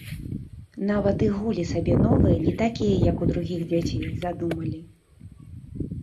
Нават і гулі сабе новыя, не такія, як у другіх дзяцей, задумалі.